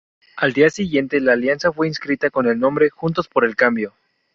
Al día siguiente, la alianza fue inscrita con el nombre "Juntos por el Cambio".